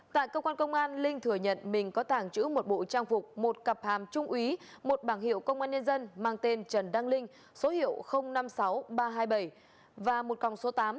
tại cơ quan công an linh thừa nhận mình có tàng trữ một bộ trang phục một cặp hàm trung úy một bảng hiệu công an nhân dân mang tên trần đăng linh số hiệu năm mươi sáu ba trăm hai mươi bảy và một còng số tám